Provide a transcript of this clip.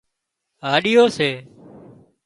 هاڍُو سي